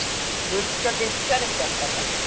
ぶっちゃけ疲れちゃったんだ？